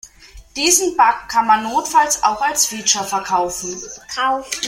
Diesen Bug kann man notfalls auch als Feature verkaufen.